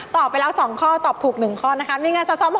ตอบไปแล้ว๒ข้อตอบถูก๑ข้อนะคะมีเงินสะสอบ๖๕๐๐บาท